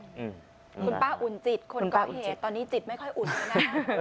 คุณป้าอุ่นจิตตอนนี้จิตไม่ค่อยอุ่นนะ